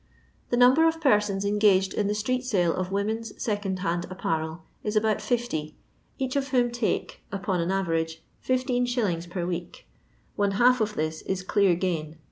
The number of persons engaged in the street sale of women's second hand apparel is about 50, each of whom take, upon an avenge, 15«. per week ; one half of this is dear gain.